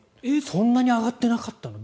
そんなに上がってなかったの？